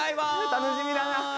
楽しみだな。